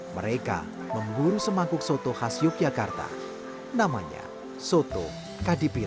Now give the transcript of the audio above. mereka memburu semangkuk soto khas yogyakarta namanya soto kadibiro